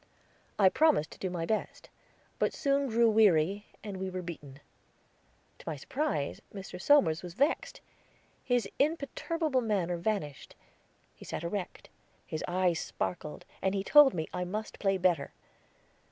I promised to do my best, but soon grew weary, and we were beaten. To my surprise Mr. Somers was vexed. His imperturbable manner vanished; he sat erect, his eyes sparkled, and he told me I must play better.